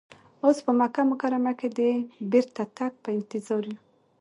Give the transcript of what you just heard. اوس په مکه مکرمه کې د بیرته تګ په انتظار یو.